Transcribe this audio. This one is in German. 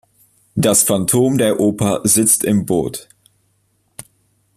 Das Phantom der Oper sitzt im Boot.